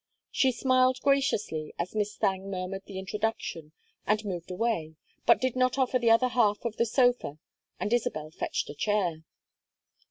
She smiled graciously as Miss Thangue murmured the introduction and moved away, but did not offer the other half of the sofa, and Isabel fetched a chair.